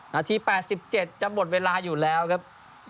นาที๘๗จะหมดเวลาอยู่แล้วครับ